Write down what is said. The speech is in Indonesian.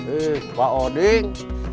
eh pak odin